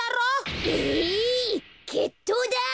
えいけっとうだ！